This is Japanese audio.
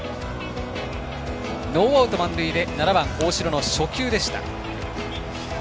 ノーアウト、満塁で７番、大城の初球でした。